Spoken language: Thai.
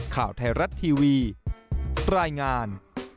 ข่าวไทยรัฐทีวีรายงาน